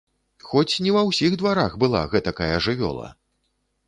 Хоць не ва ўсіх дварах была гэтакая жывёла!